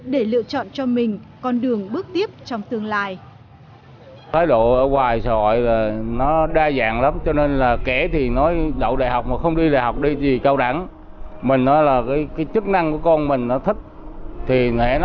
để lựa chọn cho mình con đường bước tiếp trong tương lai